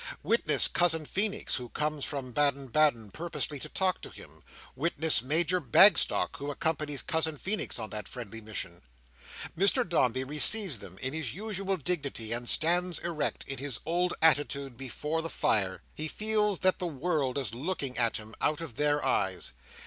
Witness Cousin Feenix, who comes from Baden Baden, purposely to talk to him. Witness Major Bagstock, who accompanies Cousin Feenix on that friendly mission. Mr Dombey receives them with his usual dignity, and stands erect, in his old attitude, before the fire. He feels that the world is looking at him out of their eyes.